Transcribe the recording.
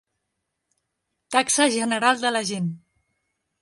Taxa general de la gent.